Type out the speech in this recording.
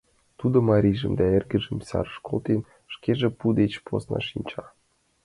Тудо марийжым да эргыжым сарыш колтен, шкеже пу деч посна шинча.